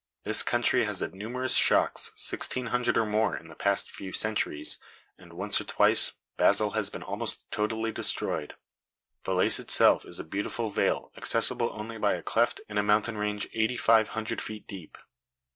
This country has had numerous shocks sixteen hundred or more, in the past few centuries, and once or twice Basle has been almost totally destroyed. Valais itself is a beautiful vale accessible only by a cleft in a mountain range eighty five hundred feet deep.